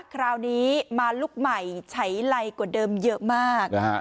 คราวนี้มาลุคใหม่ใช้ไลกว่าเดิมเยอะมาก